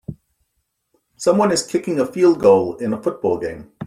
Someone is kicking a field goal in a football game